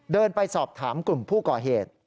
เดินไปสอบถามกลุ่มผู้ก่อเหตุ